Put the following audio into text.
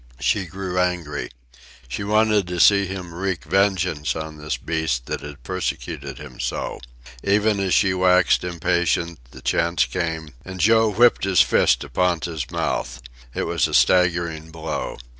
She grew angry. She wanted to see him wreak vengeance on this beast that had persecuted him so. Even as she waxed impatient, the chance came, and Joe whipped his fist to Ponta's mouth. It was a staggering blow.